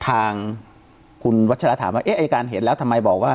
ทางคุณวัชฎาถามด้วยไอ้ไอ้การเห็นแล้วทำไมบอกว่า